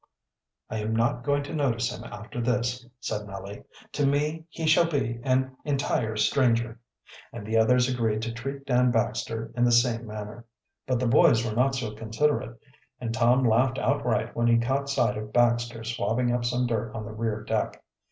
"I am not going to notice him after this," said Nellie. "To me he shall be an entire stranger." And the others agreed to treat Dan Baxter in the same manner. But the boys were not so considerate, and Tom laughed outright when he caught sight of Baxter swabbing up some dirt on the rear deck.